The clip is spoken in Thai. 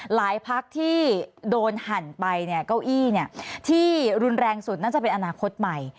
พักที่โดนหั่นไปเก้าอี้ที่รุนแรงสุดน่าจะเป็นอนาคตใหม่